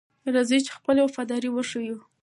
راځئ چې خپله وفاداري وښیو.